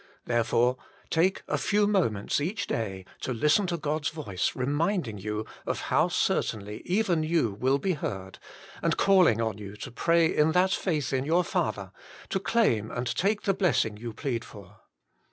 Therefore take a few moments each day to listen to God s voice reminding you of how certainly even you will be heard, and calling on you to pray in that faith in your Father, to claim and take the blessing you plead for.